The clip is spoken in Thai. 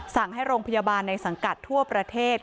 สั่งให้โรงพยาบาลในสังกัดทั่วประเทศ